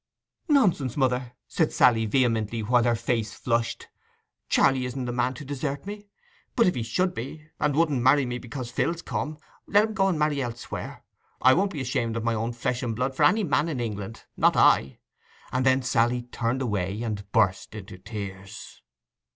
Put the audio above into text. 'Nonsense, mother!' said Sally vehemently, while her face flushed. 'Charley isn't the man to desert me. But if he should be, and won't marry me because Phil's come, let him go and marry elsewhere. I won't be ashamed of my own flesh and blood for any man in England—not I!' And then Sally turned away and burst into tears.